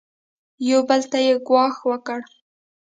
یو بل ته یې ګواښ وکړ.